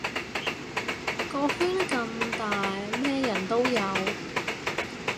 個圈咁大咩人都有